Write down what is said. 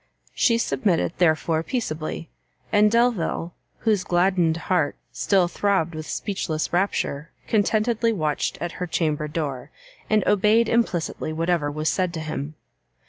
She submitted, therefore, peaceably; and Delvile, whose gladdened heart still throbbed with speechless rapture, contentedly watched at her chamber door, and obeyed implicitly whatever was said to him.